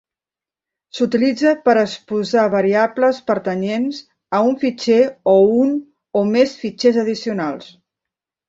S'utilitza per exposar variables pertanyents a un fitxer a un o més fitxers addicionals.